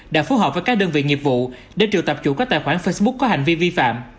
đã phối hợp với các đơn vị nghiệp vụ để triệu tập chủ các tài khoản facebook có hành vi vi phạm